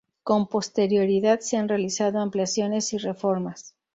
Con posterioridad se han realizado ampliaciones y reformas.